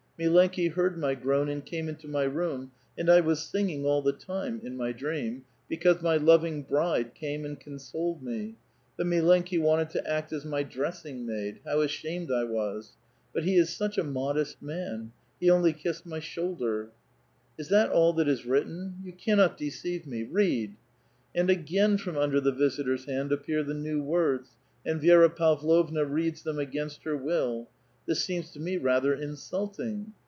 Milenki heard my groan and came into my room, and I was singing all the time (in my dream) because my loving ' bride ' came and consoled me. The milenki wanted to act as my dressing maid ! How ashamed I was ! But he is such a modest man ? He onlv kissed mv shoulder !" ''Is that all that is written? You cannot deceive me! read !" And again from under the visitor's hand appear the new words, and Vi^ra Pavlovna reads them against her will :—" This seems to me rather insulting